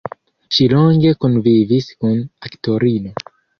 Ŝi longe kunvivis kun aktorino.